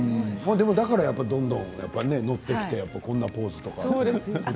だからどんどん乗ってきていろいろなポーズをね。